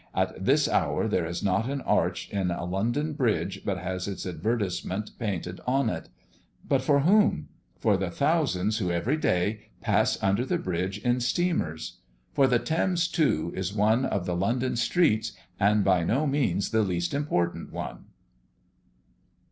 At this hour there is not an arch in a London bridge but has its advertisements painted on it. But for whom? For the thousands who every day pass under the bridge in steamers. For the Thames, too, is one of the London streets and by no means the least important one.